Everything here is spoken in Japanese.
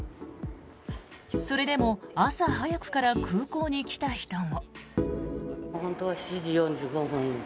それでも朝早くから空港に来た人も。